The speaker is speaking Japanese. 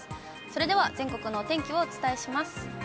それでは全国のお天気をお伝えします。